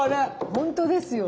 本当ですよ